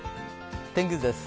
天気図です。